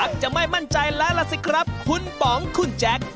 จะไม่มั่นใจแล้วล่ะสิครับคุณป๋องคุณแจ๊ค